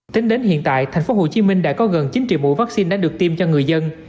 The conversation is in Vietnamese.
tính đến hiện tại thành phố hồ chí minh đã có gần chín triệu mũi vaccine đã được tiêm cho người dân